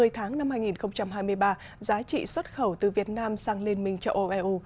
một mươi tháng năm hai nghìn hai mươi ba giá trị xuất khẩu từ việt nam sang liên minh châu âu eu